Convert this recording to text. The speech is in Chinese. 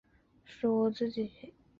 双方关系呈现紧张态势。